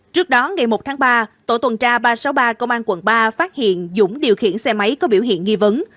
trước đó ngày một tháng ba tổ tuần tra ba trăm sáu mươi ba công an quận ba phát hiện dũng điều khiển xe máy có biểu hiện nghi vấn